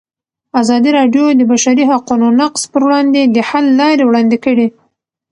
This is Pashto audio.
ازادي راډیو د د بشري حقونو نقض پر وړاندې د حل لارې وړاندې کړي.